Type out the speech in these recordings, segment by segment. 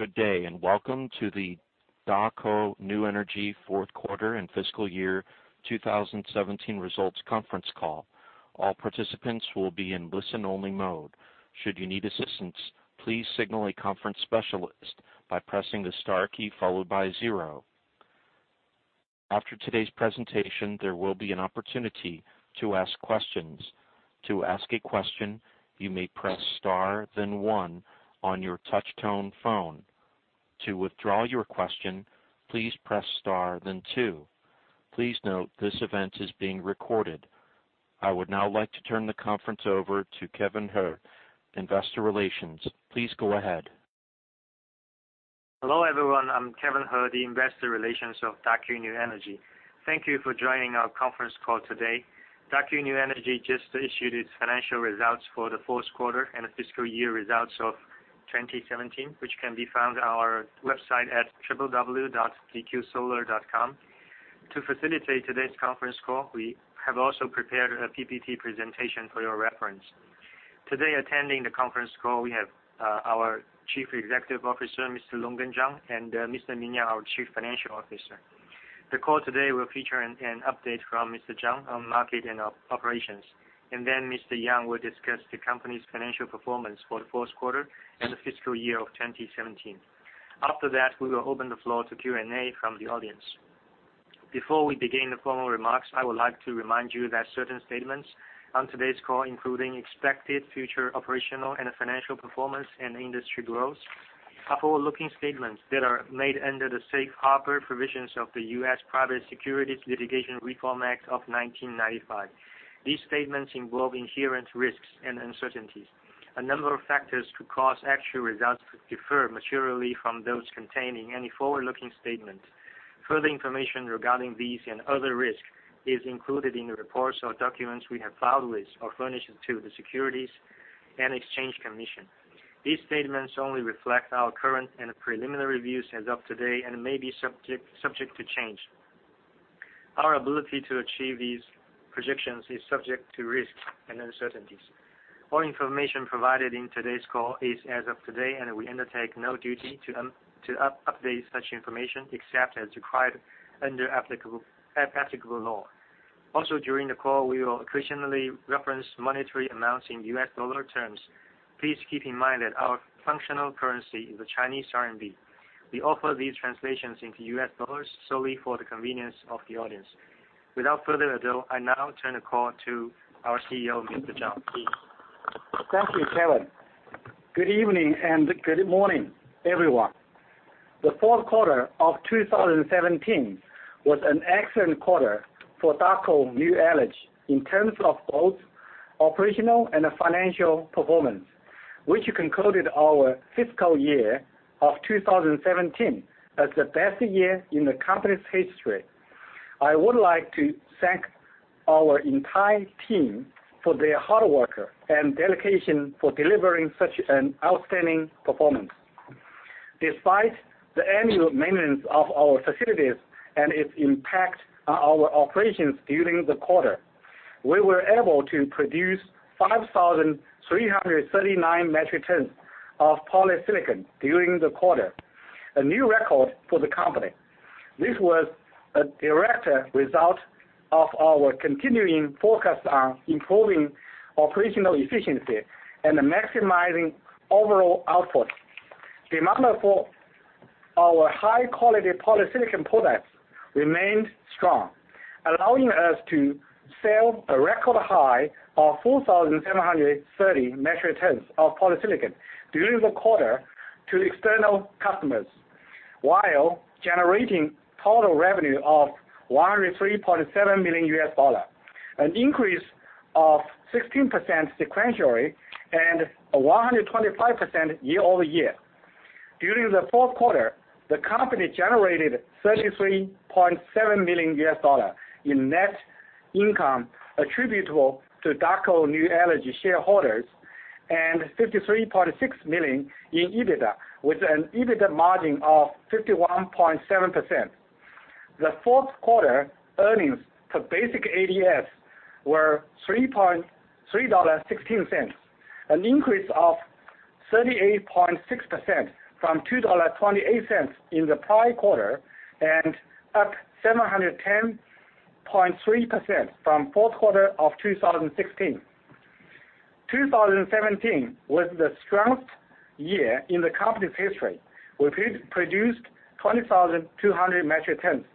Good day, and welcome to the Daqo New Energy fourth quarter and fiscal year 2017 results conference call. All partcipants will be in listen-only mode. Should you need assistance please signal the conference specialist by pressing the star key followed by zero. After today's presentation there will be an opportunity to ask questions. To ask a question you may press star then one on your touch-tone phone. To withdraw your question please press star then two. Please note this event is being recorded. I would now like to turn the conference over to Kevin He, Investor Relations. Please go ahead. Hello, everyone, I'm Kevin He, the Investor Relations of Daqo New Energy. Thank you for joining our conference call today. Daqo New Energy just issued its financial results for the fourth quarter and the fiscal year results of 2017, which can be found on our website at www.dqsolar.com. To facilitate today's conference call, we have also prepared a PPT presentation for your reference. Today attending the conference call we have our Chief Executive Officer, Mr. Longgen Zhang, and Mr. Ming Yang, our Chief Financial Officer. The call today will feature an update from Mr. Zhang on market and operations. Then Mr. Yang will discuss the company's financial performance for the fourth quarter and the fiscal year of 2017. After that, we will open the floor to Q&A from the audience. Before we begin the formal remarks, I would like to remind you that certain statements on today's call, including expected future operational and financial performance and industry growth, are forward-looking statements that are made under the safe harbor provisions of the US Private Securities Litigation Reform Act of 1995. These statements involve inherent risks and uncertainties. A number of factors could cause actual results to differ materially from those containing any forward-looking statements. Further information regarding these and other risks is included in the reports or documents we have filed with or furnished to the Securities and Exchange Commission. These statements only reflect our current and preliminary views as of today and may be subject to change. Our ability to achieve these projections is subject to risks and uncertainties. All information provided in today's call is as of today, and we undertake no duty to update such information except as required under applicable law. Also, during the call, we will occasionally reference monetary amounts in US dollar terms. Please keep in mind that our functional currency is the Chinese RMB. We offer these translations into US dollars solely for the convenience of the audience. Without further ado, I now turn the call to our CEO, Mr. Zhang, please. Thank you, Kevin. Good evening and good morning, everyone. The fourth quarter of 2017 was an excellent quarter for Daqo New Energy in terms of both operational and financial performance, which concluded our fiscal year of 2017 as the best year in the company's history. I would like to thank our entire team for their hard work and dedication for delivering such an outstanding performance. Despite the annual maintenance of our facilities and its impact on our operations during the quarter, we were able to produce 5,339 metric tons of polysilicon during the quarter, a new record for the company. This was a direct result of our continuing focus on improving operational efficiency and maximizing overall output. Demand for our high-quality polysilicon products remained strong, allowing us to sell a record high of 4,730 metric tons of polysilicon during the quarter to external customers while generating total revenue of $103.7 million, an increase of 16% sequentially and 125% year-over-year. During the fourth quarter, the company generated $33.7 million in net income attributable to Daqo New Energy shareholders and $53.6 million in EBITDA, with an EBITDA margin of 51.7%. The fourth quarter earnings per basic ADS were $3.16, an increase of 38.6% from $2.28 in the prior quarter and up 710.3% from fourth quarter of 2016. 2017 was the strongest year in the company's history. We produced 20,200 metric tons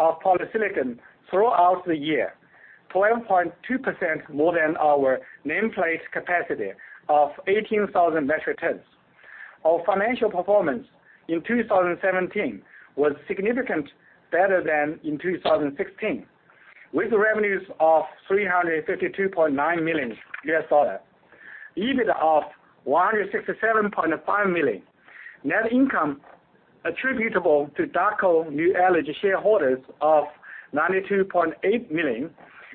of polysilicon throughout the year, 12.2% more than our nameplate capacity of 18,000 metric tons. Our financial performance in 2017 was significantly better than in 2016, with revenues of $352.9 million U.S. dollar, EBITDA of $167.5 million, net income attributable to Daqo New Energy shareholders of $92.8 million,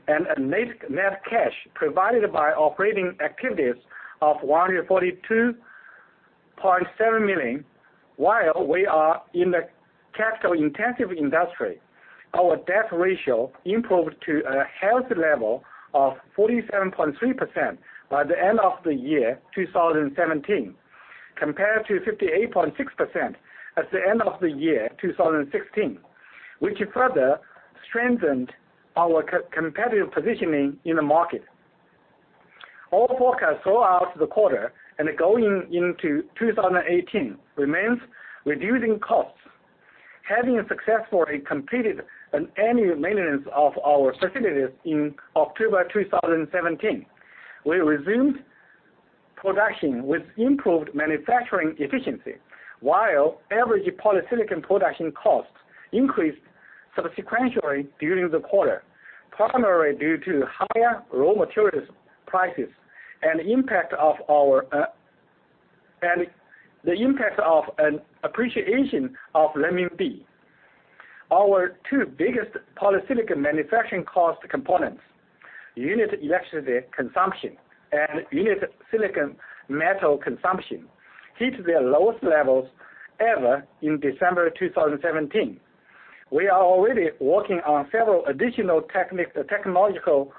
and net cash provided by operating activities of $142.7 million, while we are in the capital-intensive industry. Our debt ratio improved to a healthy level of 47.3% by the end of the year 2017, compared to 58.6% at the end of the year 2016, which further strengthened our competitive positioning in the market. Our focus throughout the quarter and going into 2018 remains reducing costs. Having successfully completed an annual maintenance of our facilities in October 2017, we resumed production with improved manufacturing efficiency, while average polysilicon production costs increased sequentially during the quarter, primarily due to higher raw materials prices and the impact of an appreciation of renminbi. Our two biggest polysilicon manufacturing cost components, unit electricity consumption and unit silicon metal consumption, hit their lowest levels ever in December 2017. We are already working on several additional technological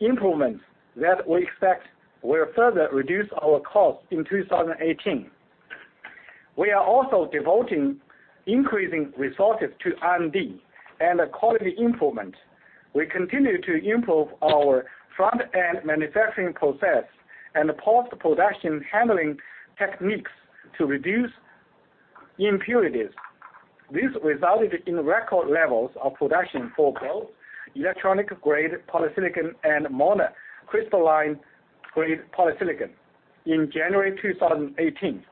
improvements that we expect will further reduce our costs in 2018. We are also devoting increasing resources to R&D and quality improvement. We continue to improve our front-end manufacturing process and post-production handling techniques to reduce impurities. This resulted in record levels of production for both electronic-grade polysilicon and monocrystalline-grade polysilicon in January 2018.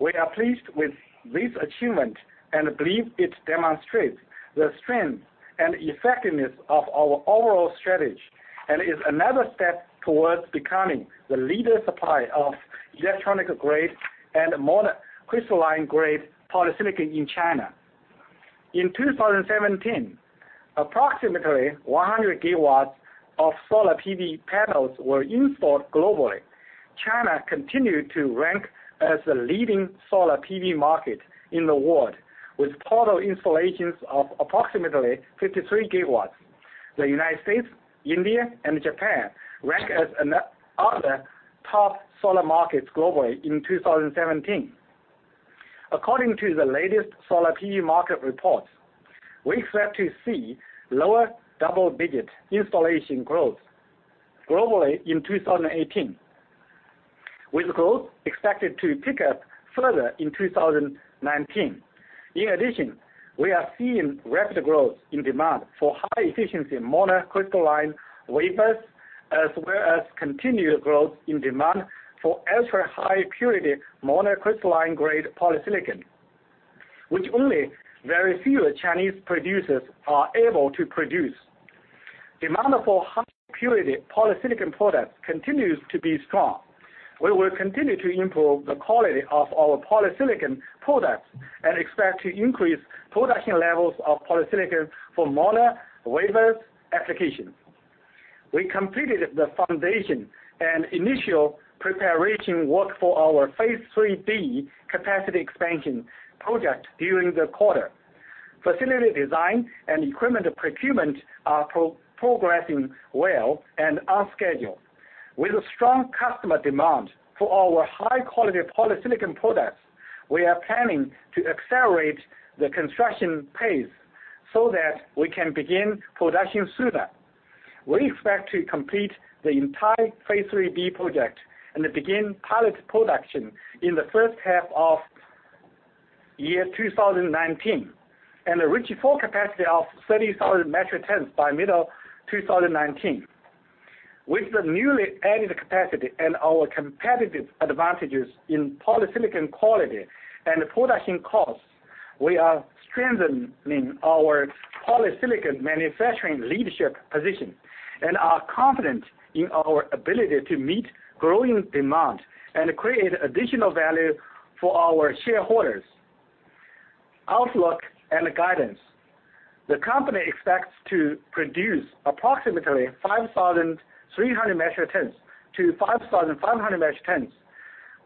We are pleased with this achievement and believe it demonstrates the strength and effectiveness of our overall strategy, and is another step towards becoming the leading supplier of electronic-grade and monocrystalline-grade polysilicon in China. In 2017, approximately 100 GW of solar PV panels were installed globally. China continued to rank as the leading solar PV market in the world, with total installations of approximately 53 GW. The U.S., India, and Japan rank as another top solar markets globally in 2017. According to the latest solar PV market reports, we expect to see lower double-digit installation growth globally in 2018, with growth expected to pick up further in 2019. In addition, we are seeing rapid growth in demand for high-efficiency monocrystalline wafers, as well as continued growth in demand for ultra-high-purity monocrystalline-grade polysilicon, which only very few Chinese producers are able to produce. Demand for high purity polysilicon products continues to be strong. We will continue to improve the quality of our polysilicon products and expect to increase production levels of polysilicon for mono wafers applications. We completed the foundation and initial preparation work for our phase III-B capacity expansion project during the quarter. Facility design and equipment procurement are progressing well and on schedule. With strong customer demand for our high-quality polysilicon products, we are planning to accelerate the construction pace so that we can begin production sooner. We expect to complete the entire phase III-B project and begin pilot production in the first half of year 2019, and reach full capacity of 30,000 metric tons by mid-2019. With the newly added capacity and our competitive advantages in polysilicon quality and production costs, we are strengthening our polysilicon manufacturing leadership position and are confident in our ability to meet growing demand and create additional value for our shareholders. Outlook and guidance. The company expects to produce approximately 5,300 metric tons-5,500 metric tons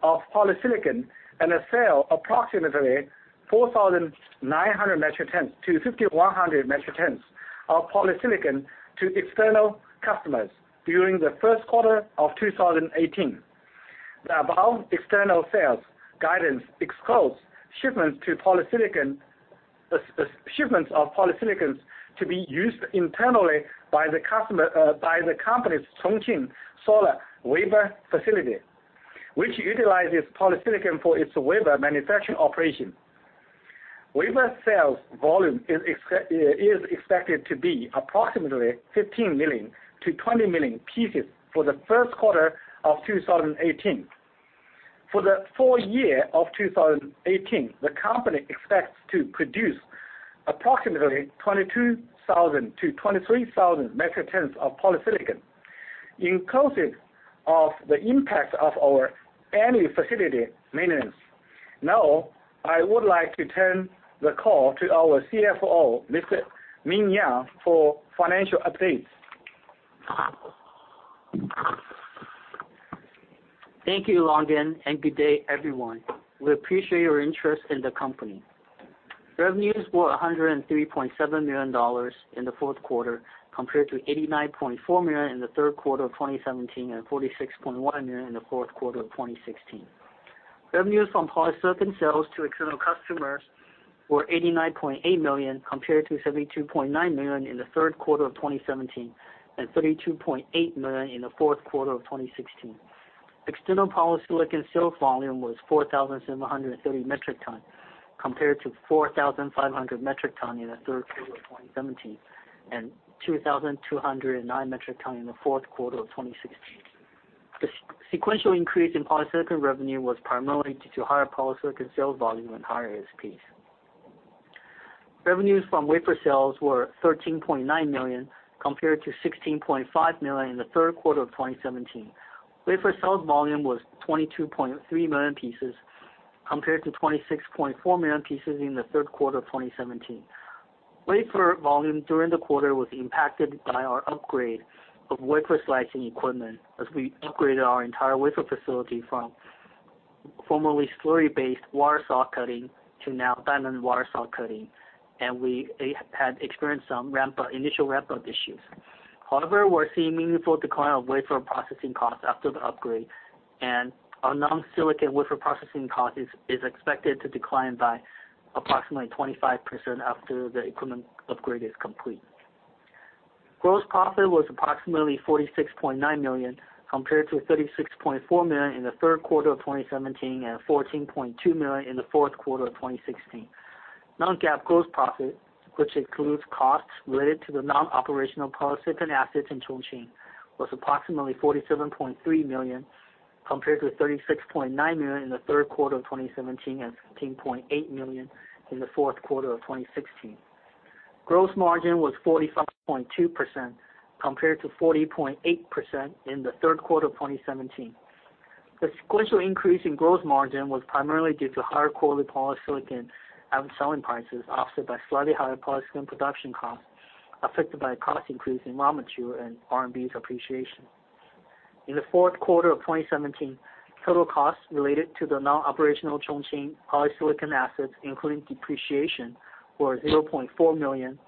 of polysilicon and sell approximately 4,900 metric tons-5,100 metric tons of polysilicon to external customers during the first quarter of 2018. The above external sales guidance excludes shipments of polysilicon to be used internally by the company's Chongqing solar wafer facility, which utilizes polysilicon for its wafer manufacturing operation. Wafer sales volume is expected to be approximately 15 million-20 million pieces for the first quarter of 2018. For the full-year of 2018, the company expects to produce approximately 22,000 metric tons-23,000 metric tons of polysilicon inclusive of the impact of our annual facility maintenance. Now, I would like to turn the call to our CFO, Mr. Ming Yang, for financial updates. Thank you, Longgen, and good day, everyone. We appreciate your interest in the company. Revenues were $103.7 million in the fourth quarter, compared to $89.4 million in the third quarter of 2017 and $46.1 million in the fourth quarter of 2016. Revenues from polysilicon sales to external customers were $89.8 million, compared to $72.9 million in the third quarter of 2017 and $32.8 million in the fourth quarter of 2016. External polysilicon sales volume was 4,730 metric ton, compared to 4,500 metric ton in the third quarter of 2017 and 2,209 metric ton in the fourth quarter of 2016. The sequential increase in polysilicon revenue was primarily due to higher polysilicon sales volume and higher ASPs. Revenues from wafer sales were 13.9 million, compared to 16.5 million in the third quarter of 2017. Wafer sales volume was 22.3 million pieces, compared to 26.4 million pieces in the third quarter of 2017. Wafer volume during the quarter was impacted by our upgrade of wafer slicing equipment as we upgraded our entire wafer facility from formerly slurry-based wire saw cutting to now diamond wire saw cutting, and we had experienced some initial ramp-up issues. However, we're seeing meaningful decline of wafer processing costs after the upgrade, and our non-silicon wafer processing cost is expected to decline by approximately 25% after the equipment upgrade is complete. Gross profit was approximately 46.9 million, compared to 36.4 million in the third quarter of 2017 and 14.2 million in the fourth quarter of 2016. Non-GAAP gross profit, which includes costs related to the non-operational polysilicon assets in Chongqing, was approximately 47.3 million, compared to 36.9 million in the third quarter of 2017 and 15.8 million in the fourth quarter of 2016. Gross margin was 45.2% compared to 40.8% in the third quarter of 2017. The sequential increase in gross margin was primarily due to higher quarterly polysilicon and selling prices, offset by slightly higher polysilicon production costs, affected by a cost increase in raw material and R&D depreciation. In the fourth quarter of 2017, total costs related to the non-operational Chongqing polysilicon assets, including depreciation, were $0.4 million,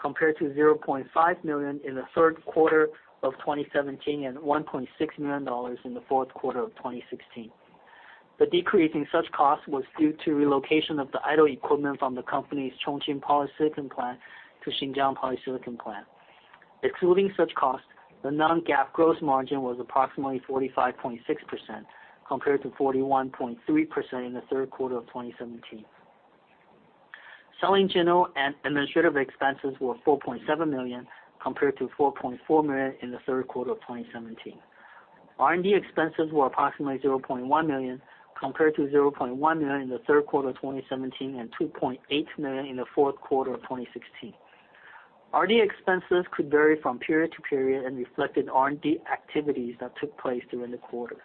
compared to $0.5 million in the third quarter of 2017 and $1.6 million in the fourth quarter of 2016. The decrease in such costs was due to relocation of the idle equipment from the company's Chongqing polysilicon plant to Xinjiang polysilicon plant. Excluding such costs, the non-GAAP gross margin was approximately 45.6% compared to 41.3% in the third quarter of 2017. Selling, general, and administrative expenses were $4.7 million, compared to $4.4 million in the third quarter of 2017. R&D expenses were approximately 0.1 million, compared to 0.1 million in the third quarter of 2017 and 2.8 million in the fourth quarter of 2016. R&D expenses could vary from period to period and reflected R&D activities that took place during the quarter.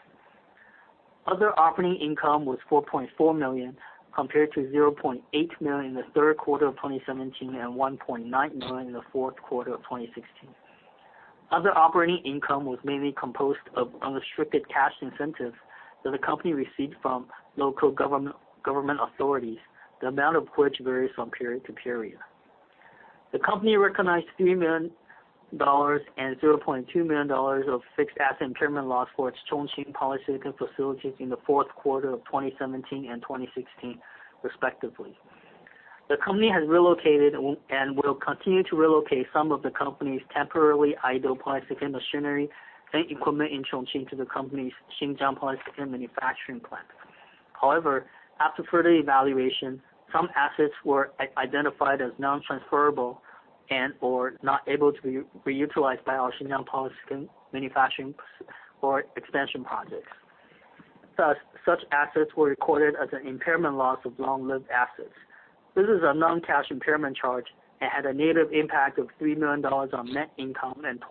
Other operating income was 4.4 million, compared to 0.8 million in the third quarter of 2017 and 1.9 million in the fourth quarter of 2016. Other operating income was mainly composed of unrestricted cash incentives that the company received from local government authorities, the amount of which varies from period to period. The company recognized $3 million and CNY 0.2 million of fixed asset impairment loss for its Chongqing polysilicon facilities in the fourth quarter of 2017 and 2016, respectively. The company has relocated and will continue to relocate some of the company's temporarily idle polysilicon machinery and equipment in Chongqing to the company's Xinjiang polysilicon manufacturing plant. However, after further evaluation, some assets were identified as non-transferable and/or not able to be re-utilized by our Xinjiang polysilicon manufacturing or expansion projects. Thus, such assets were recorded as an impairment loss of long-lived assets. This is a non-cash impairment charge and had a negative impact of $3 million on net income and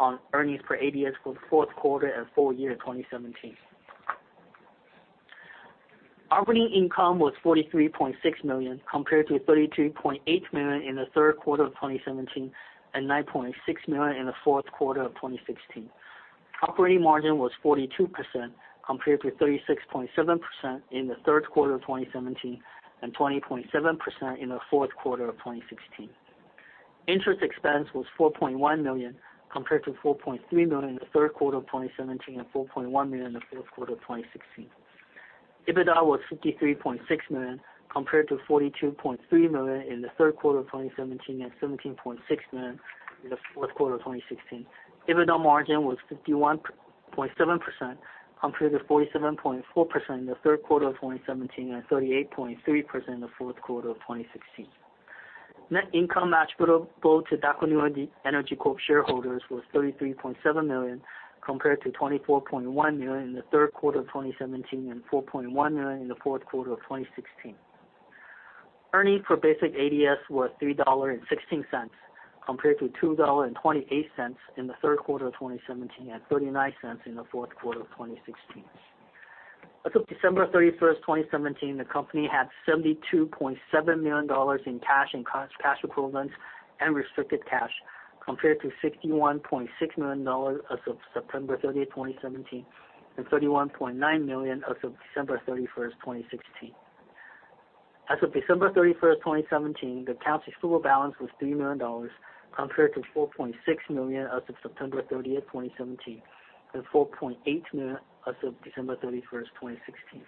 $0.28 on earnings per ADS for the fourth quarter and full-year 2017. Operating income was $43.6 million, compared to $32.8 million in the third quarter of 2017 and $9.6 million in the fourth quarter of 2016. Operating margin was 42% compared to 36.7% in the third quarter of 2017 and 20.7% in the fourth quarter of 2016. Interest expense was 4.1 million compared to 4.3 million in the third quarter of 2017 and 4.1 million in the fourth quarter of 2016. EBITDA was 53.6 million compared to 42.3 million in the third quarter of 2017 and 17.6 million in the fourth quarter of 2016. EBITDA margin was 51.7% compared to 47.4% in the third quarter of 2017 and 38.3% in the fourth quarter of 2016. Net income attributable to Daqo New Energy Corp. shareholders was $33.7 million, compared to $24.1 million in the third quarter of 2017 and $4.1 million in the fourth quarter of 2016. Earnings per basic ADS was $3.16 compared to $2.28 in the third quarter of 2017 and $0.39 in the fourth quarter of 2016. As of December 31, 2017, the company had $72.7 million in cash and cash equivalents and restricted cash compared to $61.6 million as of September 30, 2017, and $31.9 million as of December 31st, 2016. As of December 31st, 2017, the accounts receivable balance was $3 million compared to $4.6 million as of September 30th, 2017, and $4.8 million as of December 31st, 2016.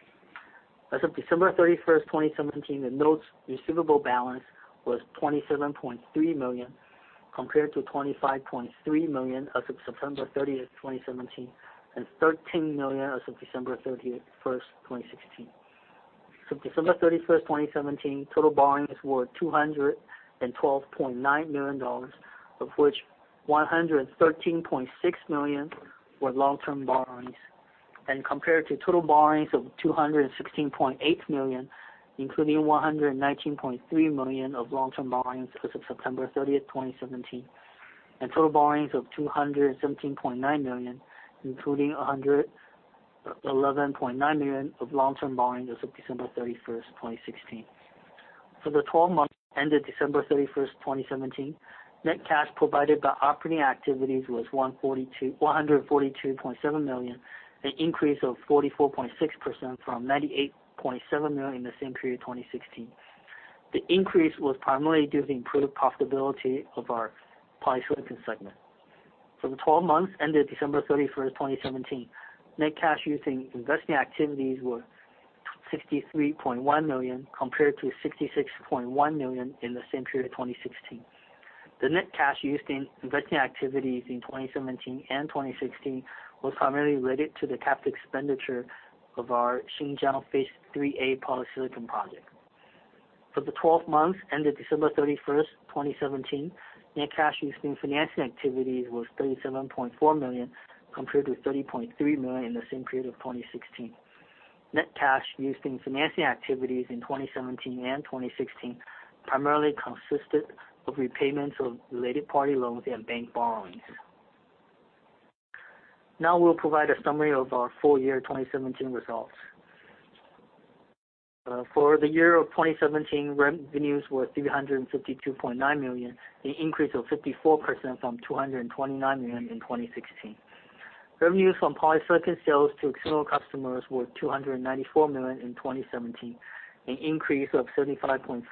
As of December 31st, 2017, the notes receivable balance was $27.3 million compared to $25.3 million as of September 30th, 2017, and $13 million as of December 31st, 2016. As of December 31st, 2017, total borrowings were CNY 212.9 million, of which CNY 113.6 million were long-term borrowings, and compared to total borrowings of CNY 216.8 million, including CNY 119.3 million of long-term borrowings as of September 30th, 2017, and total borrowings of CNY 217.9 million, including 111.9 million of long-term borrowings as of December 31st, 2016. For the 12 months ended December 31st, 2017, net cash provided by operating activities was 142.7 million, an increase of 44.6% from 98.7 million in the same period, 2016. The increase was primarily due to the improved profitability of our polysilicon segment. For the 12 months ended December 31st, 2017, net cash used in investing activities was 63.1 million compared to 66.1 million in the same period, 2016. The net cash used in investing activities in 2017 and 2016 was primarily related to the capital expenditure of our Xinjiang phase III-A polysilicon project. For the 12 months ended December 31st, 2017, net cash used in financing activities was 37.4 million compared to 30.3 million in the same period of 2016. Net cash used in financing activities in 2017 and 2016 primarily consisted of repayments of related party loans and bank borrowings. Now we'll provide a summary of our full-year 2017 results. For the year of 2017, revenues were CNY 352.9 million, an increase of 54% from CNY 229 million in 2016. Revenues from polysilicon sales to external customers were CNY 294 million in 2017, an increase of 75.5%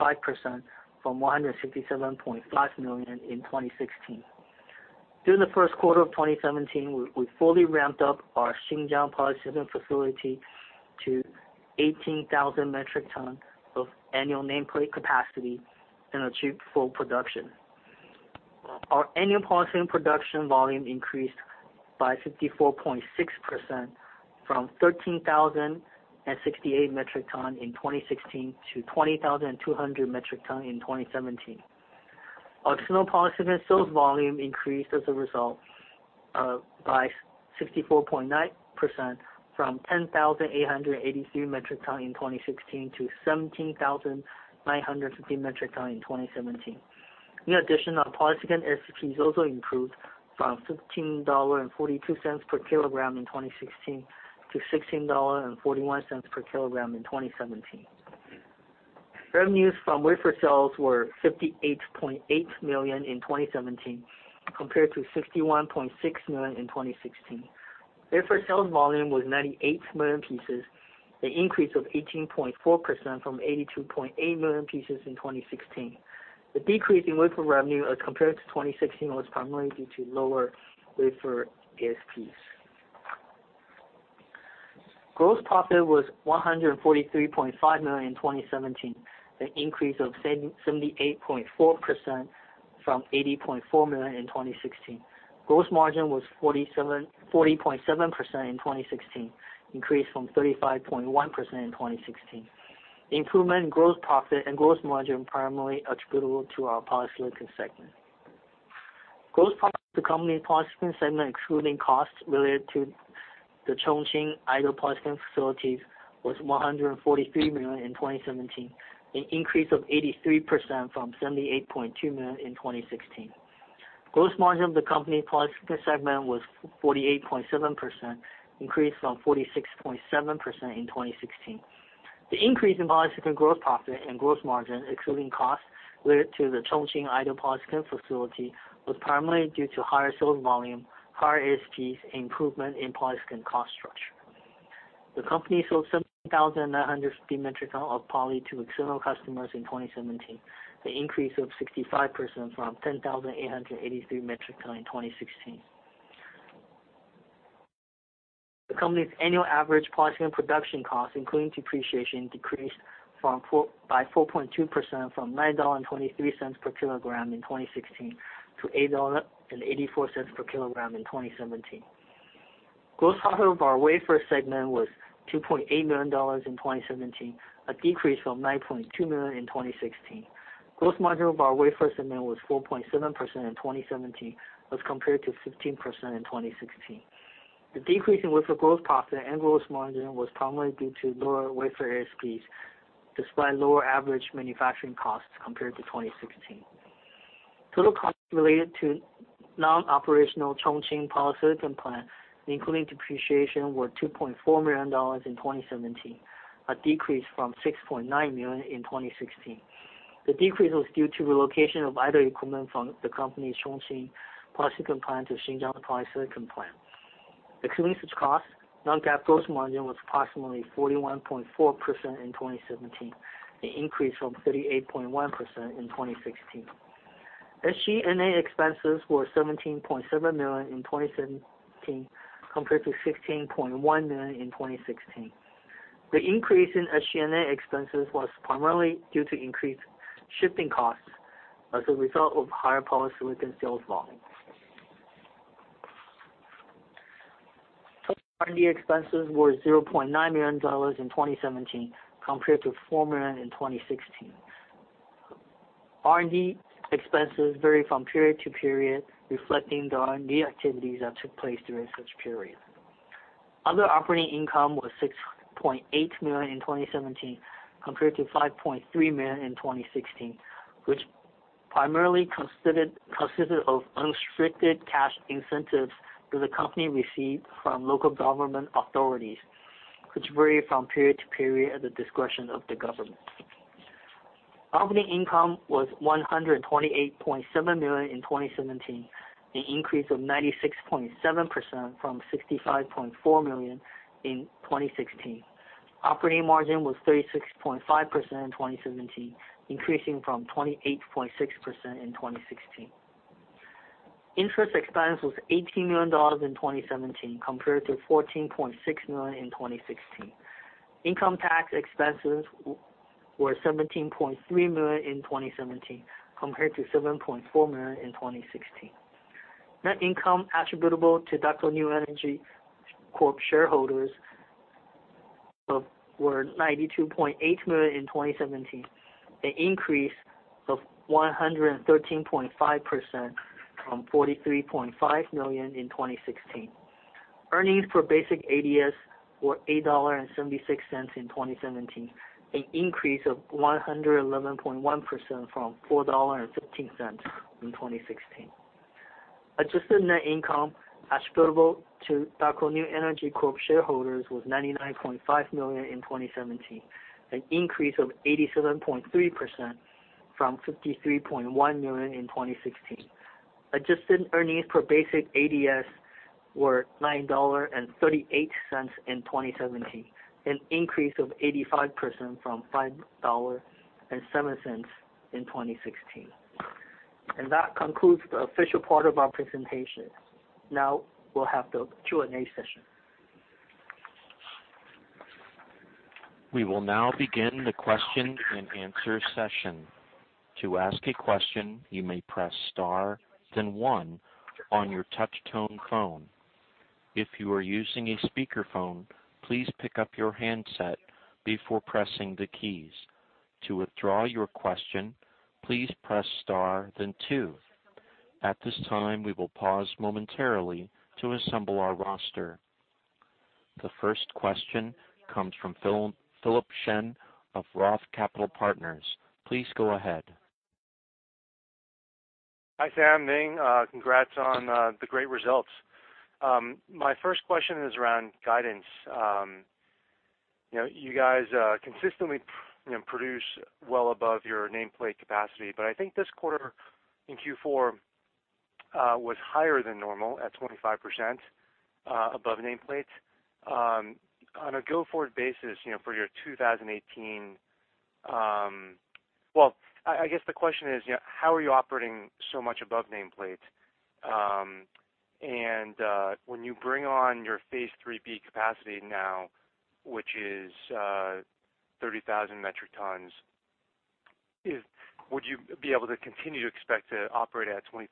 from CNY 167.5 million in 2016. During the first quarter of 2017, we fully ramped up our Xinjiang polysilicon facility to 18,000 metric tons of annual nameplate capacity and achieved full production. Our annual polysilicon production volume increased by 54.6% from 13,068 metric tons in 2016 to 20,200 metric tons in 2017. Our external polysilicon sales volume increased as a result, by 64.9% from 10,883 metric tons in 2016 to 17,950 metric tons in 2017. In addition, our polysilicon ASPs also improved from $15.42 per kilogram in 2016 to $16.41 per kilogram in 2017. Revenues from wafer sales were $58.8 million in 2017 compared to $61.6 million in 2016. Wafer sales volume was 98 million pieces, an increase of 18.4% from 82.8 million pieces in 2016. The decrease in wafer revenue as compared to 2016 was primarily due to lower wafer ASPs. Gross profit was 143.5 million in 2017, an increase of 77.4% from 80.4 million in 2016. Gross margin was 40.7% in 2016, increase from 35.1% in 2016. Improvement in gross profit and gross margin primarily attributable to our polysilicon segment. Gross profit of the company's polysilicon segment, excluding costs related to the Chongqing idle polysilicon facilities, was 143 million in 2017, an increase of 83% from 78.2 million in 2016. Gross margin of the company polysilicon segment was 48.7%, increase from 46.7% in 2016. The increase in polysilicon gross profit and gross margin, excluding costs related to the Chongqing idle polysilicon facility, was primarily due to higher sales volume, higher ASPs, and improvement in polysilicon cost structure. The company sold 17,950 metric tons of poly to external customers in 2017, an increase of 65% from 10,883 metric tons in 2016. The company's annual average polysilicon production cost, including depreciation, decreased by 4.2% from $9.23 per kg in 2016 to $8.84 per kg in 2017. Gross profit of our wafer segment was $2.8 million in 2017, a decrease from $9.2 million in 2016. Gross margin of our wafer segment was 4.7% in 2017 as compared to 15% in 2016. The decrease in wafer gross profit and gross margin was primarily due to lower wafer ASPs, despite lower average manufacturing costs compared to 2016. Total costs related to non-operational Chongqing polysilicon plant, including depreciation, were $2.4 million in 2017, a decrease from $6.9 million in 2016. The decrease was due to relocation of idle equipment from the company's Chongqing polysilicon plant to Xinjiang polysilicon plant. Excluding such costs, non-GAAP gross margin was approximately 41.4% in 2017, an increase from 38.1% in 2016. SG&A expenses were $17.7 million in 2017 compared to $16.1 million in 2016. The increase in SG&A expenses was primarily due to increased shipping costs as a result of higher polysilicon sales volume. Total R&D expenses were $0.9 million in 2017 compared to $4 million in 2016. R&D expenses vary from period to period, reflecting the R&D activities that took place during such period. Other operating income was $6.8 million in 2017 compared to $5.3 million in 2016, which primarily consisted of unrestricted cash incentives that the company received from local government authorities, which vary from period to period at the discretion of the government. Operating income was $128.7 million in 2017, an increase of 96.7% from $65.4 million in 2016. Operating margin was 36.5% in 2017, increasing from 28.6% in 2016. Interest expense was $18 million in 2017 compared to $14.6 million in 2016. Income tax expenses were $17.3 million in 2017 compared to $7.4 million in 2016. Net income attributable to Daqo New Energy Corp shareholders were $92.8 million in 2017, an increase of 113.5% from $43.5 million in 2016. Earnings per basic ADS were $8.76 in 2017, an increase of 111.1% from $4.15 in 2016. Adjusted net income attributable to Daqo New Energy Corp shareholders was $99.5 million in 2017, an increase of 87.3% from $53.1 million in 2016. Adjusted earnings per basic ADS were $9.38 in 2017, an increase of 85% from $5.07 in 2016. That concludes the official part of our presentation. Now we'll have the Q&A session. We will now begin the question-and-answer session. To ask a question you may press star then one on your touch-tone phone. If you are using a speaker phone please pick up your handset before pressing the keys. To withdraw your question please press star then two. At this time we will pause momentarily to assemble our roster. The first question comes from Philip Shen of Roth Capital Partners. Please go ahead. Hi, Sam, Ming. Congrats on the great results. My first question is around guidance. You know, you guys, consistently, you know, produce well above your nameplate capacity. I think this quarter in Q4 was higher than normal at 25% above nameplate. On a go-forward basis, you know, for your 2018, how are you operating so much above nameplate? When you bring on your phase III-B capacity now, which is 30,000 metric tons, would you be able to continue to expect to operate at 25%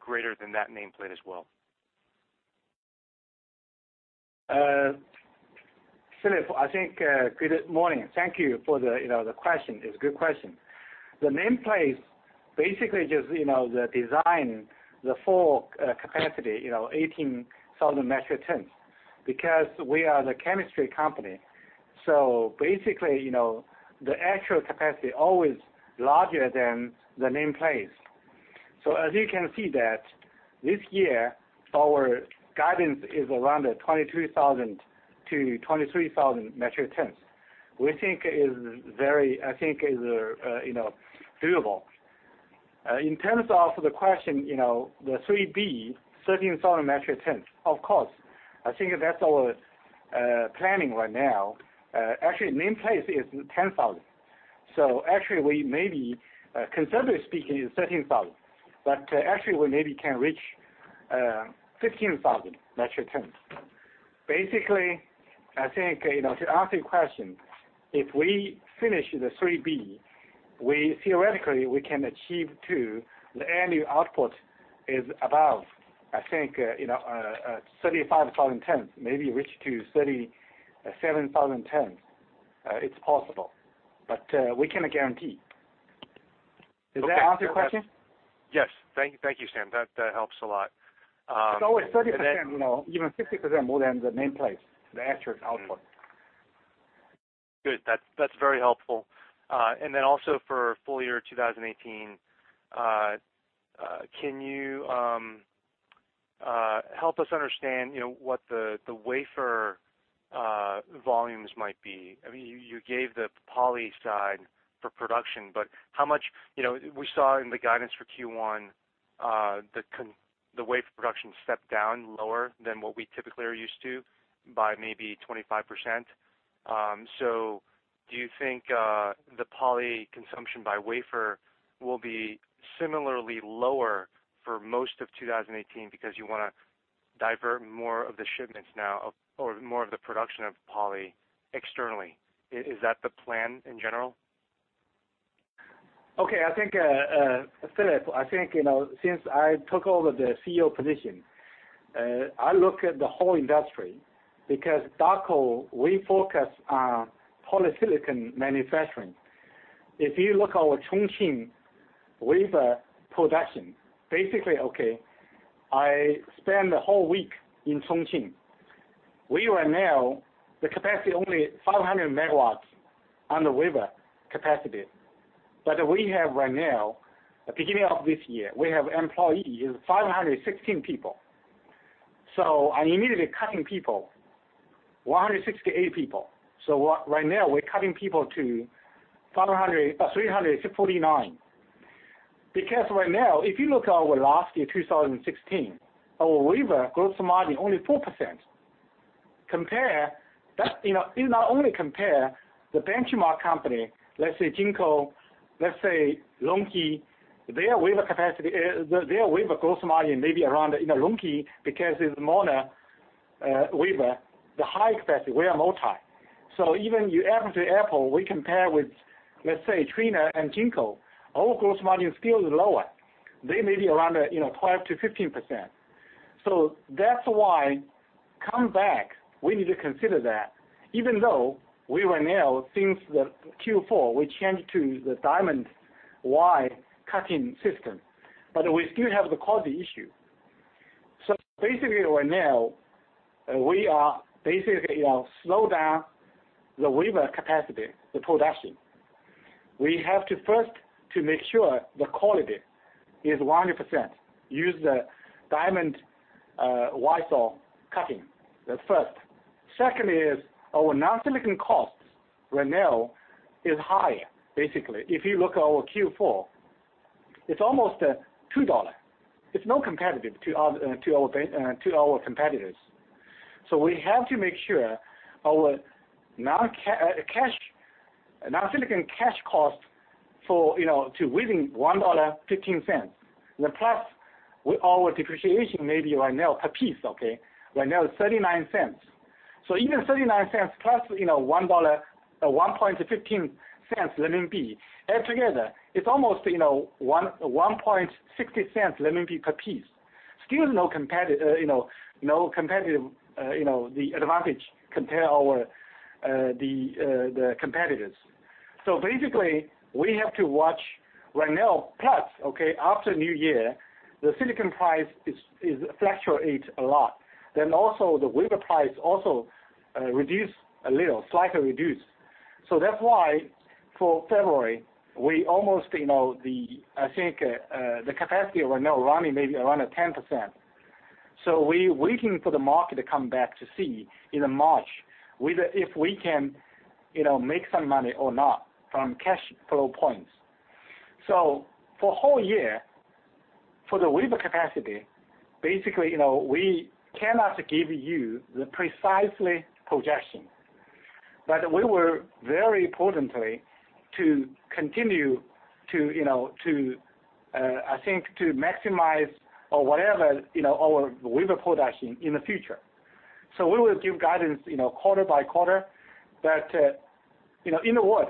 greater than that nameplate as well? Philip, I think, good morning. Thank you for the, you know, the question. It's a good question. The nameplate basically just, you know, the design, the full capacity, you know, 18,000 metric tons. We are the chemistry company, so basically, you know, the actual capacity always larger than the nameplate. As you can see that this year our guidance is around the 22,000 metric tons-23,000 metric tons. We think it is, you know, doable. In terms of the question, you know, the III-B, 13,000 metric tons, of course, I think that's our planning right now. Actually, nameplate is 10,000. Actually we maybe, conservatively speaking is 13,000, but actually we maybe can reach 15,000 metric tons. I think, you know, to answer your question, if we finish phase III-B, we theoretically we can achieve to the annual output is above I think, you know, 35,000 tons, maybe reach to 37,000 tons. It's possible, but we cannot guarantee. Okay. Does that answer your question? Yes. Thank you, Yang. That helps a lot. It's always 30%, you know, even 60% more than the nameplate, the actual output. Good. That's very helpful. Also for full-year 2018, can you help us understand, you know, what the wafer volumes might be? I mean, you gave the poly side for production, how much You know, we saw in the guidance for Q1, the wafer production stepped down lower than what we typically are used to by maybe 25%. Do you think the poly consumption by wafer will be similarly lower for most of 2018 because you wanna divert more of the production of poly externally? Is that the plan in general? Okay. I think, Philip, I think, you know, since I took over the CEO position, I look at the whole industry because Daqo, we focus on polysilicon manufacturing. If you look our Chongqing wafer production, basically, okay, I spent the whole week in Chongqing. We run now the capacity only 500 MW on the wafer capacity. We have right now, at beginning of this year, we have employees 516 people. I immediately cutting people, 168 people. Right now we're cutting people to 349. Right now, if you look at our last year, 2016, our wafer gross margin only 4%. Compare that, you know, if I only compare the benchmark company, let's say Jinko, let's say LONGi, their wafer gross margin maybe around, you know, LONGi because it's monocrystalline wafer, the high capacity, we are multi. Even you apple-to-apple, we compare with, let's say Trina and Jinko, our gross margin still is lower. They may be around, you know, 12%-15%. That's why come back we need to consider that even though we run now since the Q4, we changed to the diamond wire cutting system, but we still have the quality issue. Basically right now, we are, you know, slow down the wafer capacity, the production. We have to first to make sure the quality is 100%, use the diamond wire saw cutting. That's first. Second is our non-silicon costs right now is high, basically. If you look at our Q4, it's almost $2. It's not competitive to our competitors. We have to make sure our non-silicon cash cost for, you know, to within $1.15. Plus with our depreciation maybe right now per piece, okay? Right now it's $0.39. Even $0.39+, you know, $1.15, add together, it's almost, you know, $1.60 per piece. Still no, you know, no competitive, you know, the advantage compare our competitors. Basically, we have to watch right now, plus, okay, after New Year, the silicon price is fluctuates a lot. Also the wafer price also reduce a little, slightly reduce. That's why for February, we almost, you know, the, I think, the capacity right now running maybe around at 10%. We waiting for the market to come back to see in March whether if we can, you know, make some money or not from cash flow points. For whole year, for the wafer capacity, basically, you know, we cannot give you the precisely projection. We were very importantly to continue to, you know, to, I think to maximize or whatever, you know, our wafer production in the future. We will give guidance, you know, quarter-by-quarter. In a word,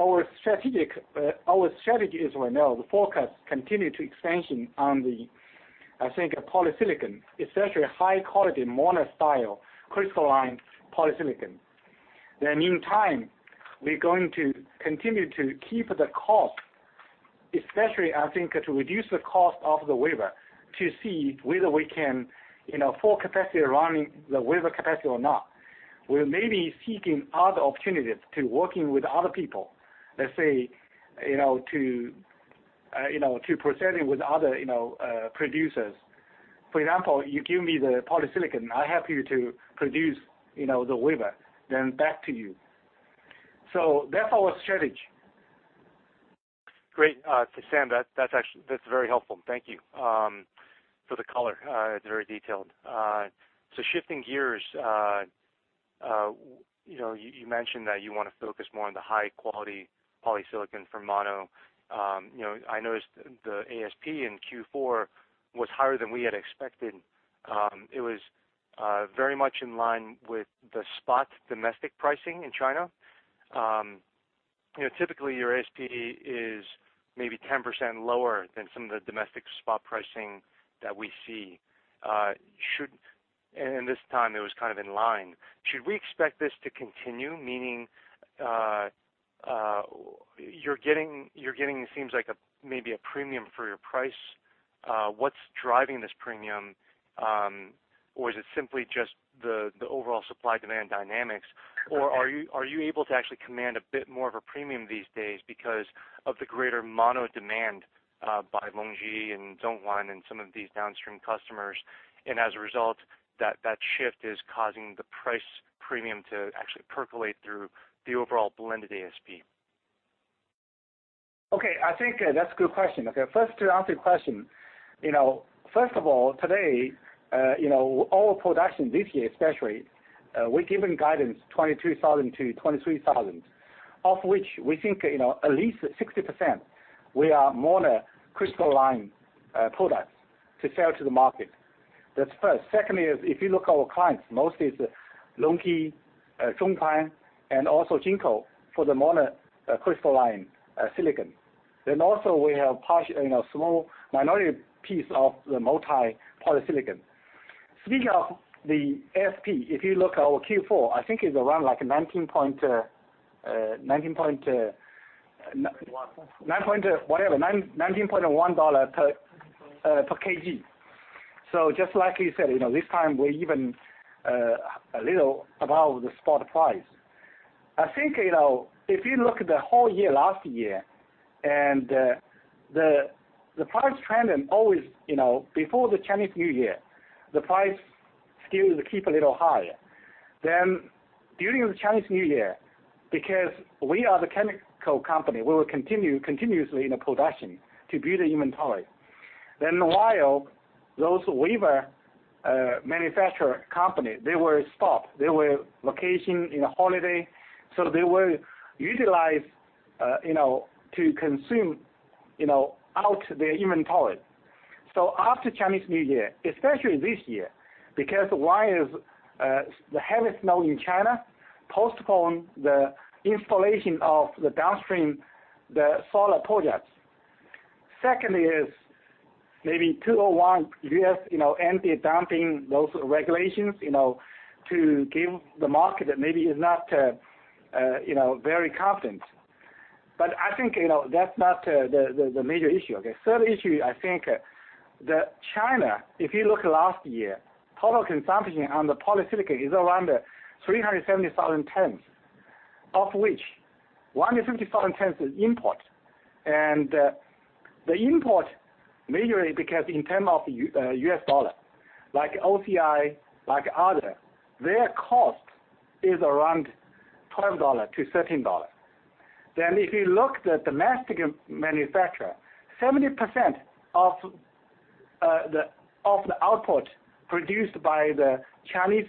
our strategic, our strategy is right now the focus continue to expansion on the, I think, polysilicon, especially high quality monocrystalline-grade polysilicon. In the meantime, we're going to continue to keep the cost, especially I think to reduce the cost of the wafer to see whether we can, you know, full capacity running the wafer capacity or not. We're maybe seeking other opportunities to working with other people, let's say, you know, to, you know, to presenting with other, you know, producers. For example, you give me the polysilicon, I help you to produce, you know, the wafer, then back to you. That's our strategy. Great. Zhang, that's actually very helpful. Thank you for the color. It's very detailed. Shifting gears, you know, you mentioned that you wanna focus more on the high quality polysilicon for mono. You know, I noticed the ASP in Q4 was higher than we had expected. It was very much in line with the spot domestic pricing in China. You know, typically your ASP is maybe 10% lower than some of the domestic spot pricing that we see. This time it was kind of in line. Should we expect this to continue? Meaning, you're getting it seems like a, maybe a premium for your price. What's driving this premium? Is it simply just the overall supply-demand dynamics? Are you able to actually command a bit more of a premium these days because of the greater mono demand by LONGi and Zhonghuan and some of these downstream customers, and as a result, that shift is causing the price premium to actually percolate through the overall blended ASP? Okay. I think that's a good question. First to answer your question, you know, first of all, today, you know, our production this year especially, we've given guidance 22,000-23,000. Of which we think, you know, at least 60% we are monocrystalline products to sell to the market. That's first. Secondly is if you look our clients, mostly it's LONGi, Zhonghuan, and also JinkoSolar for the monocrystalline silicon. Also we have part, you know, small minority piece of the multi polysilicon. Speaking of the ASP, if you look our Q4, I think it's around like 19 point. 21 9. whatever, $19.1 per- Per kg. Per kg. Just like you said, you know, this time we're even a little above the spot price. I think, you know, if you look at the whole year last year, and the price trend and always, you know, before the Chinese New Year, the price still keep a little higher. During the Chinese New Year, because we are the chemical company, we will continue continuously in the production to build the inventory. While those wafer manufacturer company, they were stopped. They were vacation, you know, holiday, so they will utilize, you know, to consume, you know, out their inventory. After Chinese New Year, especially this year, because one is the heavy snow in China postponed the installation of the downstream, the solar projects. Second is maybe 201 U.S., you know, anti-dumping those regulations, you know, to give the market that maybe is not very confident. I think, you know, that's not the major issue. Third issue, I think, that China, if you look last year, total consumption on the polysilicon is around 370,000 tons. Of which 150,000 tons is import. The import majorly because in term of U.S. dollar, like OCI, like other, their cost is around $12-$13. If you look the domestic manufacturer, 70% of the output produced by the Chinese,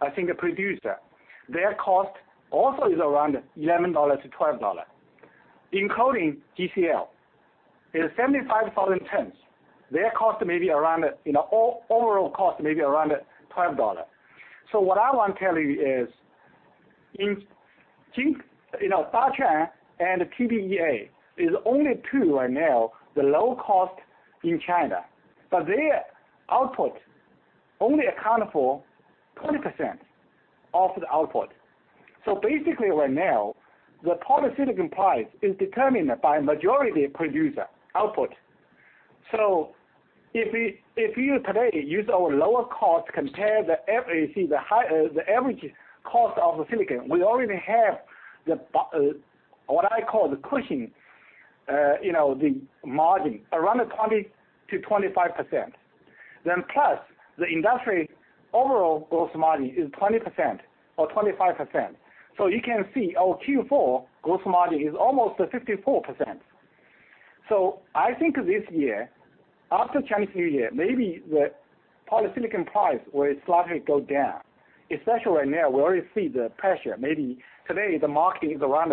I think, a producer, their cost also is around $11-$12, including GCL. In 75,000 tons, their cost may be around, you know, overall cost may be around $12. What I want to tell you is, you know, Daqo and TBEA is only two right now the low cost in China. Their output only account for 20% of the output. Basically right now, the polysilicon price is determined by majority producer output. If we, if you today use our lower cost compare, you see the high, the average cost of the silicon, we already have what I call the cushion, you know, the margin around 20%-25%. Plus the industry overall gross margin is 20% or 25%. You can see our Q4 gross margin is almost 54%. I think this year, after Chinese New Year, maybe the polysilicon price will slightly go down, especially right now we already see the pressure. Maybe today the market is around,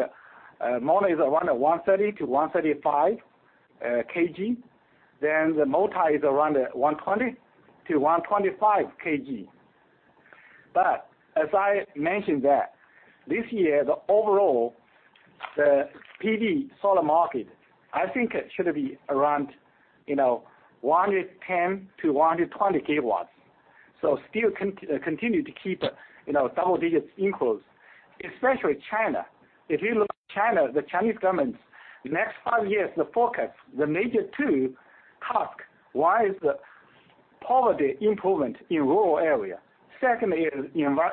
mono is around 130/kg-135/kg. The multi is around 120/kg-125/kg. As I mentioned that this year the overall, the PV solar market, I think it should be around 110 kW-120 kW. Still continue to keep double digits increase, especially China. If you look China, the Chinese government, next five years the focus, the major two task, one is the poverty improvement in rural area. Second is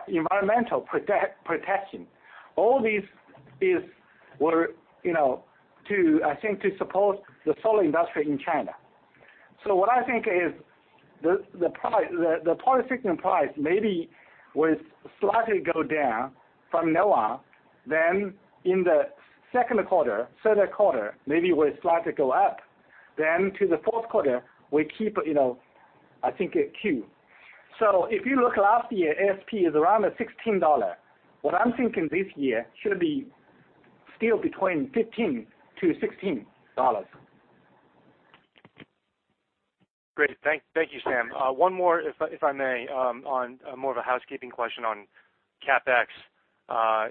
environmental protection. All these is were, to, I think, to support the solar industry in China. What I think is the polysilicon price maybe will slightly go down from now on. In the second quarter, third quarter, maybe will slightly go up. To the fourth quarter, we keep, you know, I think it [acute]. If you look last year, ASP is around $16. What I'm thinking this year should be still between $15-$16. Great. Thank you, Zhang. One more if I may, on more of a housekeeping question on CapEx.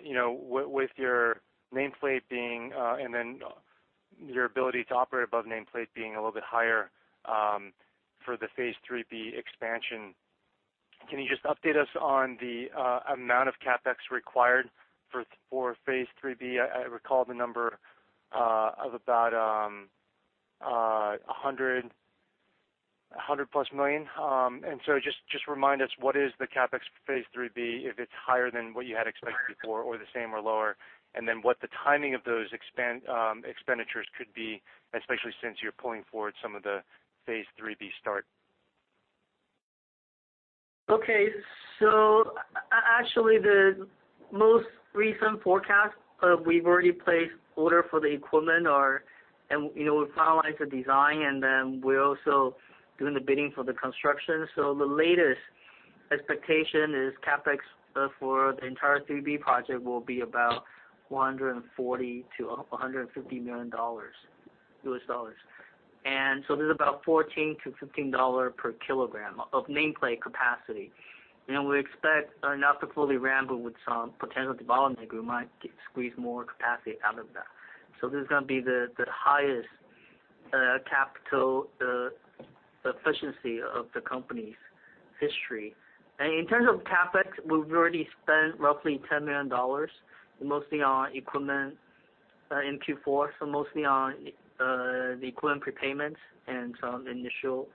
You know, with your nameplate being, and then your ability to operate above nameplate being a little bit higher, for the phase III-B expansion, can you just update us on the amount of CapEx required for phase III-B? I recall the number of about $100+ million. Just remind us what is the CapEx for phase III-B, if it's higher than what you had expected before or the same or lower. What the timing of those expenditures could be, especially since you're pulling forward some of the phase III-B start. Okay. Actually, the most recent focus, we've already placed order for the equipment. You know, we finalized the design, and then we're also doing the bidding for the construction. The latest expectation is CapEx for the entire phase III-B project will be about $140 million-$150 million. This is about $14-$15 per kilogram of nameplate capacity. You know, we expect not to fully ramp with some potential development, we might get squeeze more capacity out of that. This is gonna be the highest capital efficiency of the company's history. In terms of CapEx, we've already spent roughly $10 million, mostly on equipment in Q4, so mostly on the equipment prepayments and some initial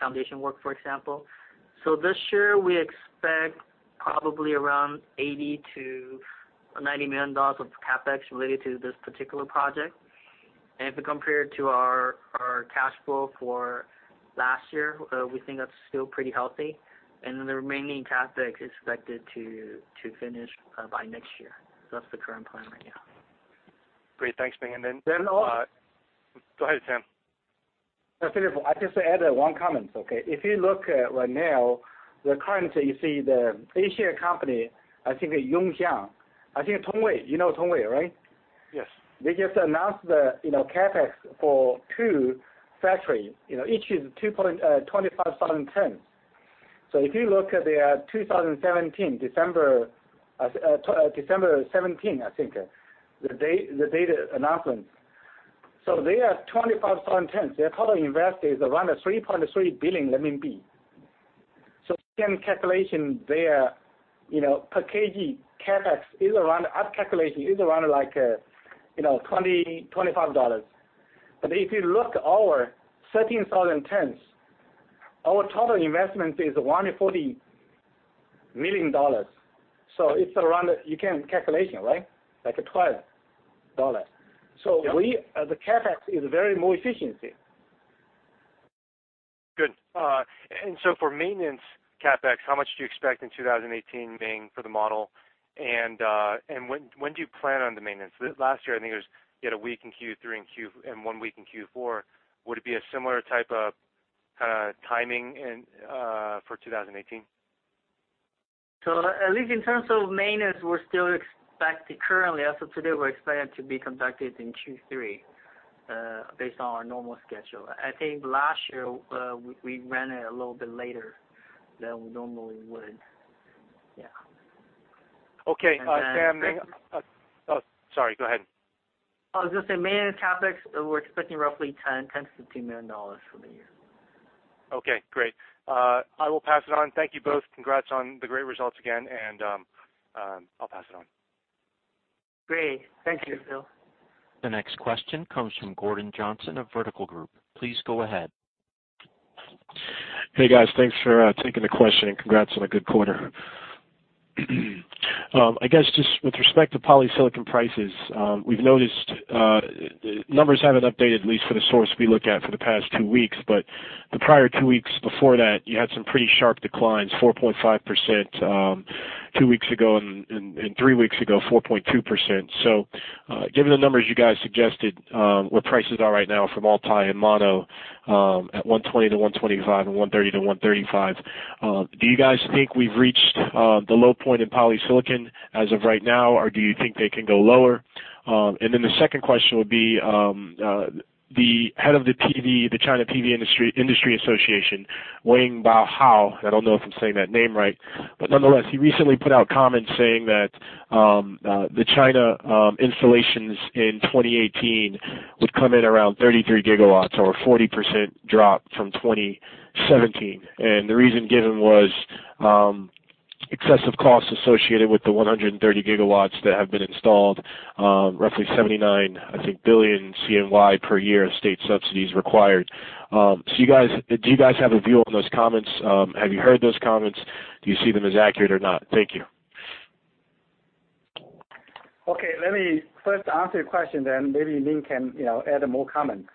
foundation work, for example. This year, we expect probably around $80 million-$90 million of CapEx related to this particular project. If we compare it to our cash flow for last year, we think that's still pretty healthy. The remaining CapEx is expected to finish by next year. That's the current plan right now. Great. Thanks, Ming. Then also- Go ahead, Sam. No, finish. I just add one comment, okay? If you look at right now, the current, you see the Asian company, I think Yongxiang. I think Tongwei. You know Tongwei, right? Yes. They just announced the, you know, CapEx for two factories. You know, each is 25,000 tons. If you look at their 2017 December 2017, I think, the dated announcement. They are 25,000 tons. Their total invest is around 3.3 billion RMB. Same calculation there, you know, per kg, CapEx is around, I've calculated, like, you know, $20-$25. If you look our 13,000 tons, our total investment is $140 million. It's around, you can calculation, right? Like $12. Yeah. We, the CapEx is very more efficiency. Good. For maintenance CapEx, how much do you expect in 2018, Ming, for the model? When do you plan on the maintenance? Last year, I think it was you had one week in Q3 and one week in Q4. Would it be a similar type of timing in for 2018? At least in terms of maintenance, we're still expecting currently, as of today, we're expecting it to be conducted in Q3, based on our normal schedule. I think last year, we ran it a little bit later than we normally would. Yeah. Okay. Sam. And then- Oh, sorry. Go ahead. I was gonna say maintenance CapEx, we're expecting roughly $10 million-$15 million for the year. Okay, great. I will pass it on. Thank you both. Congrats on the great results again. I'll pass it on. Great. Thank you, Phil. The next question comes from Gordon Johnson of Vertical Group. Please go ahead. Hey, guys. Thanks for taking the question, and congrats on a good quarter. I guess just with respect to polysilicon prices, we've noticed numbers haven't updated at least for the source we look at for the past two weeks, but the prior two weeks before that, you had some pretty sharp declines, 4.5%, two weeks ago, and three weeks ago, 4.2%. Given the numbers you guys suggested, where prices are right now from multi and mono, at 120- 125 and 130- 135, do you guys think we've reached the low point in polysilicon as of right now or do you think they can go lower? The second question would be, the head of the China Photovoltaic Industry Association, Wang Bohua, I don't know if I'm saying that name right. He recently put out comments saying that, the China installations in 2018 would come in around 33 GW or a 40% drop from 2017. The reason given was excessive costs associated with the 130 GW that have been installed, roughly 79 billion CNY per year of state subsidies required. Do you guys have a view on those comments? Have you heard those comments? Do you see them as accurate or not? Thank you. Okay. Let me first answer your question, maybe Ming can, you know, add more comment.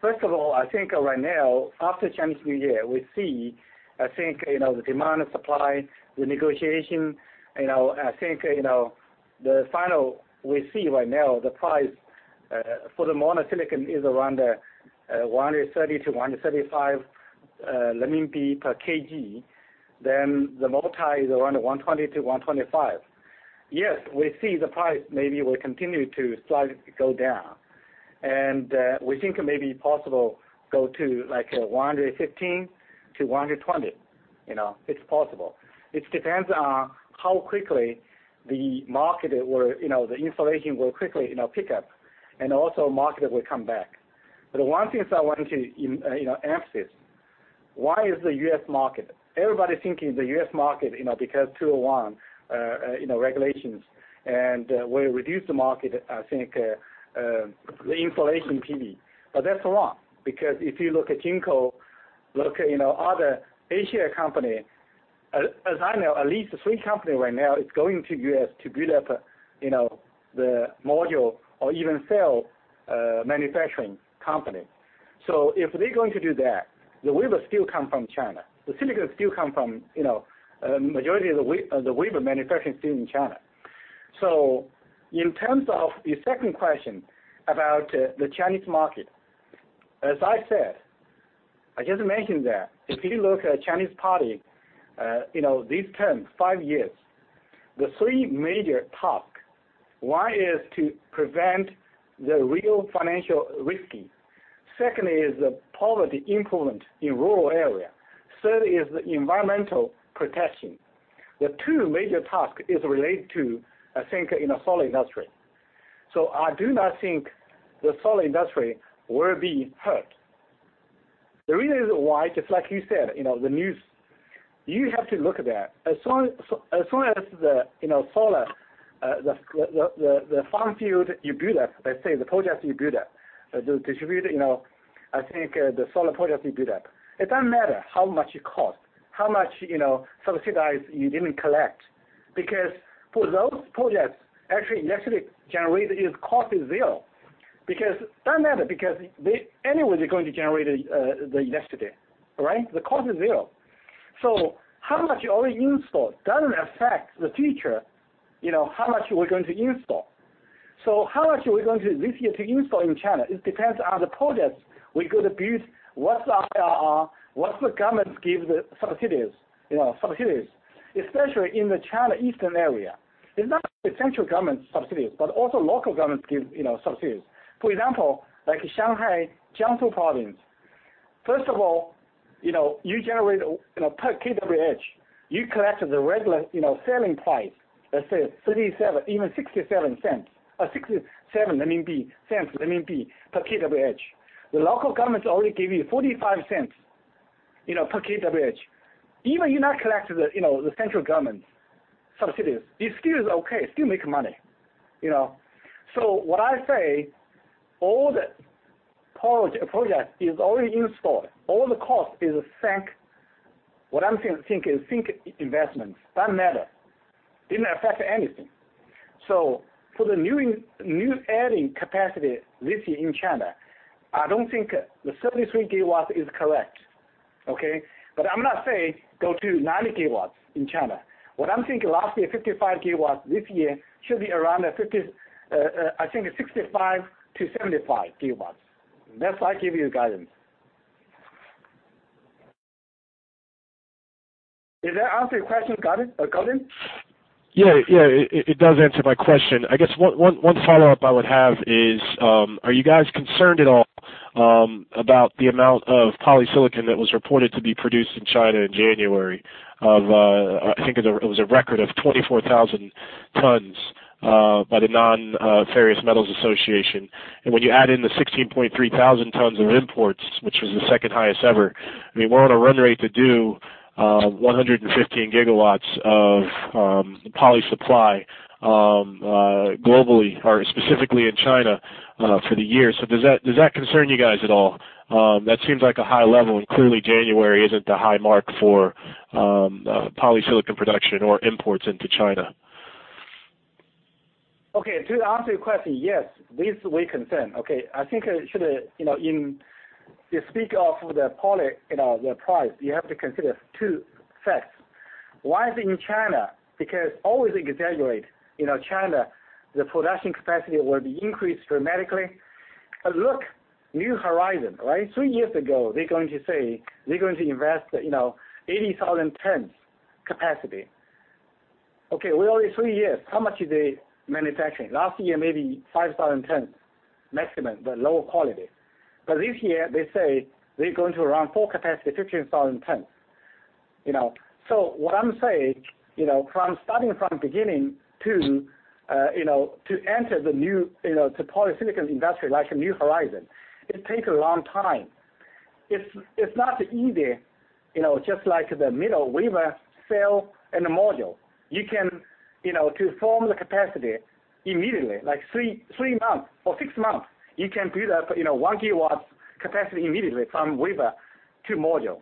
First of all, I think right now, after Chinese New Year, we see, I think, you know, the demand and supply, the negotiation, you know, I think, you know, the final we see right now the price for the mono silicon is around 130- 135 per kg, then the multi is around 120- 125. Yes, we see the price maybe will continue to slightly go down. We think it may be possible go to like 115- 120. You know, it's possible. It depends on how quickly the installation will quickly, you know, pick up, and also market will come back. One thing I want to, you know, emphasis, why is the U.S. market? Everybody thinking the U.S. market, you know, because Section 201, you know, regulations will reduce the market, I think, the installation PV. That's wrong because if you look at JinkoSolar, look at, you know, other Asia company, as I know, at least three company right now is going to U.S. to build up a, you know, the module or even cell manufacturing company. If they're going to do that, the wafer still come from China. The silicon still come from, you know, majority of the wafer manufacturing still in China. In terms of the second question about the Chinese market, as I said, I just mentioned that if you look at Chinese Party, you know, this term, five years, the three major task, one is to prevent the real financial risky. Secondly is the poverty improvement in rural area. Third is the environmental protection. The two major task is related to, I think, you know, solar industry. I do not think the solar industry will be hurt. The reason why, just like you said, you know, the news, you have to look at that. As long as the, you know, solar, the farm field you build up, let's say the projects you build up, the distributed, you know, I think, the solar projects you build up, it doesn't matter how much it costs, how much, you know, subsidize you didn't collect. For those projects, actually, electricity generated is cost is zero. don't matter because they, anyway, they're going to generate the electricity, right? The cost is zero. How much you already installed doesn't affect the future, you know, how much we're going to install. How much we're going to this year to install in China, it depends on the projects we're gonna build, what the government give the subsidies, you know, subsidies, especially in the China Eastern area. It's not central government subsidies, but also local governments give, you know, subsidies. For example, like Shanghai, Jiangsu Province, first of all, you know, you generate, you know, per kWh, you collect the regular, you know, selling price. Let's say 0.37, even 0.67 per kWh. The local governments already give you 0.45, you know, per kWh. Even you not collect the, you know, the central government subsidies, it's still okay, still make money, you know. What I say, all the projects is already installed. All the cost is sunk. What I'm think is sunk investments. Don't matter. Didn't affect anything. For the new adding capacity this year in China, I don't think the 73 GW is correct. Okay. I'm not saying go to 90 GW in China. What I'm thinking last year, 55 GW. This year should be around 65 GW-75 GW. That's I give you guidance. Did that answer your question, Gordon Johnson? Yeah, it does answer my question. I guess one follow-up I would have is, are you guys concerned at all about the amount of polysilicon that was reported to be produced in China in January of, I think it was a record of 24,000 tons by the China Nonferrous Metals Industry Association. When you add in the 16,300 tons of imports, which was the second highest ever, I mean, we're on a run rate to do 115 GW of poly supply globally or specifically in China for the year. Does that concern you guys at all? That seems like a high level, clearly January isn't the high mark for polysilicon production or imports into China. To answer your question, yes, this we concerned. I think I should, you know, in to speak of the poly, you know, the price, you have to consider two facts. One is in China, because always exaggerate. You know, China, the production capacity will be increased dramatically. Look, East Hope, right? Three years ago, they're going to say they're going to invest, you know, 80,000 tons capacity. We're only three years. How much do they manufacturing? Last year, maybe 5,000 tons maximum, but low quality. This year, they say they're going to run full capacity, 15,000 tons. You know? What I'm saying, you know, from starting from beginning to, you know, to enter the new, you know, to polysilicon industry like a East Hope, it take a long time. It's not easy, you know, just like the wafer cell and the module. You can, you know, to form the capacity immediately, like three months or six months, you can build up, you know, 1 GW capacity immediately from wafer to module.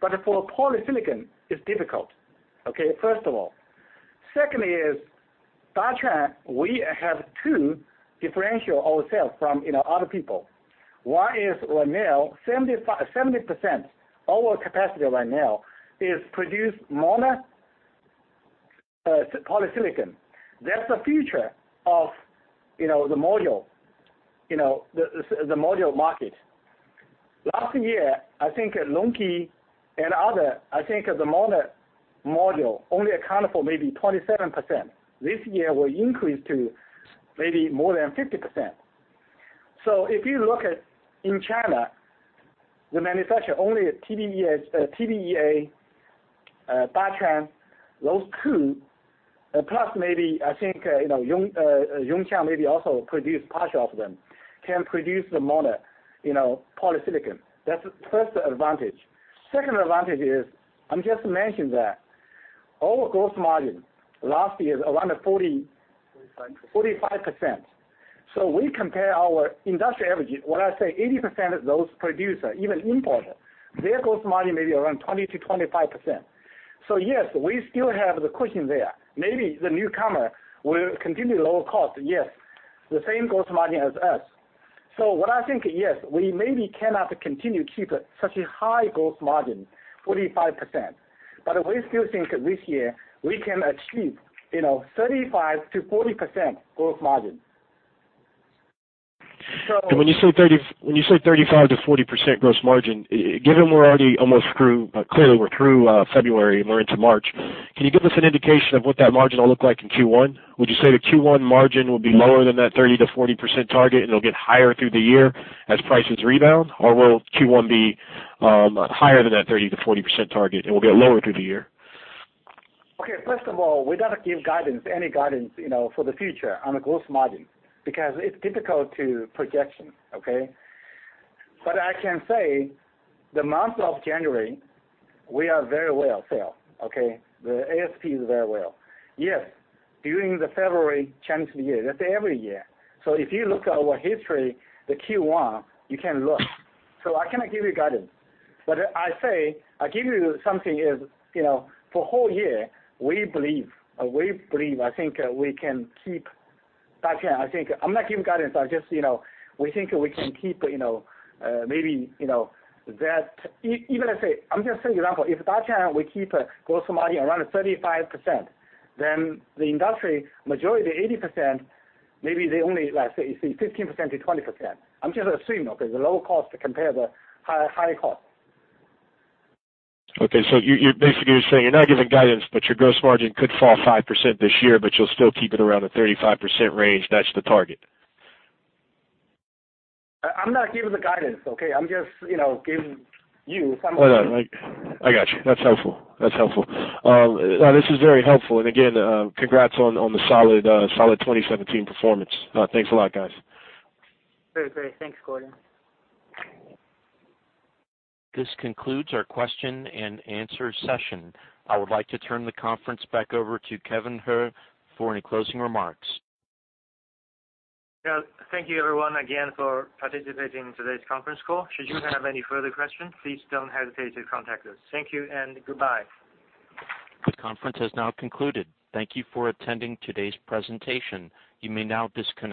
But for polysilicon, it's difficult, okay, first of all. Secondly is, we have to differentiate ourselves from, you know, other people. One is right now 70%, our capacity right now is produce mono polysilicon. That's the future of, you know, the module, you know, the module market. Last year, I think LONGi and other, I think the mono module only account for maybe 27%. This year will increase to maybe more than 50%. If you look at in China-The manufacturer only TBEA, Daqo, those two, plus maybe I think, you know, Yongxiang maybe also produce partial of them, can produce the mono, you know, polysilicon. That's the first advantage. Second advantage is, I'm just mentioning that our gross margin last year around the 40- 45. 45%. We compare our industrial average. When I say 80% of those producer, even importer, their gross margin may be around 20%-25%. Yes, we still have the cushion there. Maybe the newcomer will continue lower cost, yes, the same gross margin as us. What I think, yes, we maybe cannot continue keep such a high gross margin, 45%. We still think this year we can achieve, you know, 35%-40% gross margin. When you say 35%-40% gross margin, given we're already almost through, clearly we're through February, and we're into March, can you give us an indication of what that margin will look like in Q1? Would you say the Q1 margin will be lower than that 30%-40% target, and it'll get higher through the year as prices rebound? Or will Q1 be higher than that 30%-40% target, and will get lower through the year? Okay, first of all, we don't give guidance, any guidance, you know, for the future on a gross margin because it's difficult to project. I can say the month of January we are very well sale. The ASP is very well. Yes, during the February change the year. That's every year. If you look at our history, the Q1, you can look. I cannot give you guidance. I say, I give you something is, you know, for whole year we believe, I think, we can keep Daqo. I think I'm not giving guidance, I just, you know, we think we can keep, you know, maybe, you know, that even I say, I'm just saying example. If Daqo will keep gross margin around 35%, then the industry majority, the 80%, maybe they only like say 15%-20%. I'm just assuming, okay, the lower cost compare the high cost. Okay, you basically are saying you're not giving guidance, your gross margin could fall 5% this year, you'll still keep it around the 35% range. That's the target. I'm not giving the guidance, okay? I'm just, you know, giving you. Hold on. I got you. That's helpful. That's helpful. This is very helpful. Again, congrats on the solid 2017 performance. Thanks a lot, guys. Very great. Thanks, Gordon. This concludes our question-and-answer session. I would like to turn the conference back over to Kevin He for any closing remarks. Yeah. Thank you everyone again for participating in today's conference call. Should you have any further questions, please don't hesitate to contact us. Thank you and goodbye. This conference has now concluded. Thank you for attending today's presentation. You may now disconnect.